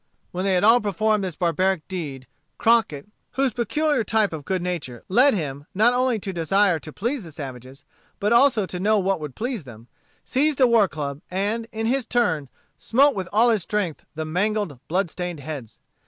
When they had all performed this barbaric deed, Crockett, whose peculiar type of good nature led him not only to desire to please the savages, but also to know what would please them, seized a war club, and, in his turn, smote with all his strength the mangled, blood stained heads.